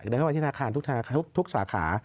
เดินเข้าไปที่ธนาคารทุกสาขา